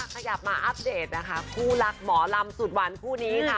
ขยับมาอัปเดตคู่หลักหมอลำสุดหวันคู่นี้